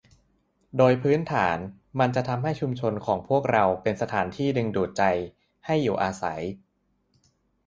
โดยพื้นฐาน มันจะทำให้ชุมชนของพวกเราเป็นสถานที่ที่ดึงดูดใจให้อยู่อาศัย